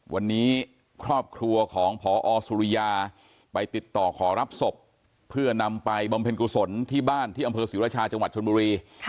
วันนี้ครอบครัวของพอสุริยาไปติดต่อขอรับศพเพื่อนำไปบำเพ็ญกุศลที่บ้านที่อำเภอศรีรชาจังหวัดชนบุรี